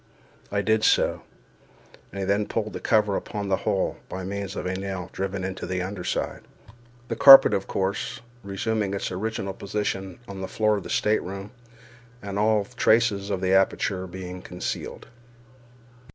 I did so, and he then pulled the cover upon the hole, by means of a nail driven into the under side—the carpet, of course, resuming its original position on the floor of the stateroom, and all traces of the aperture being concealed.